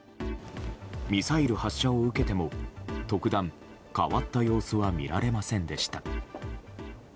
ミサイル発射を受けても特段変わった様子は見られませんでした。